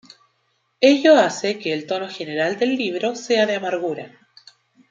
Ello hace que el tono general del libro sea de amargura.